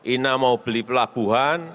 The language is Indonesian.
ina mau beli pelabuhan